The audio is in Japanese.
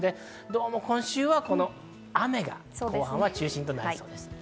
今週は雨が中心となりそうです。